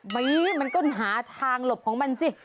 มันก็หาทางหลบของมันสิ